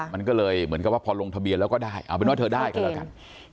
มันก็เลยเหมือนกับว่าพอลงทะเบียนแล้วก็ได้เอาเป็นว่าเธอได้ก็แล้วกัน